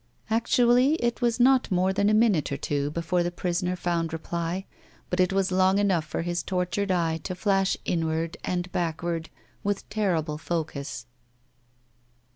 Actually it was not more than a minute or two before the prisoner found reply, but it was long enough for his tortured eye to flash inward and back ward with terrible focus.